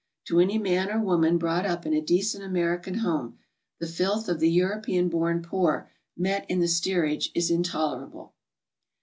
To any man or woman brought up in a decent American home, the fikh of the European ^born poor met in the steerage is intolerable.